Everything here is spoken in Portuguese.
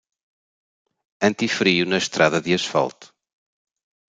Anti-frio na estrada de asfalto